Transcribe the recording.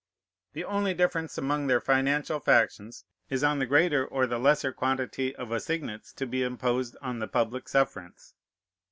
The only difference among their financial factions is on the greater or the lesser quantity of assignats to be imposed on the public sufferance.